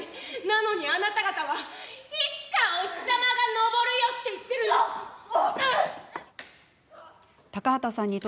なのに、あなた方はいつかお日様が昇るよって言っているんです。